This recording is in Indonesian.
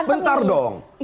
ini berantem ini